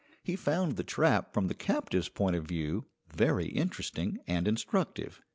He found the trap from the captive's point of view very interesting and instructive.